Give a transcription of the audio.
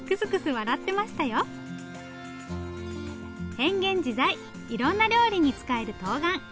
変幻自在いろんな料理に使えるとうがん。